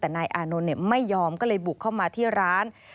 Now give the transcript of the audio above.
แต่นายอานนท์ไม่ยอมก็เลยบุกเข้ามาที่ร้าน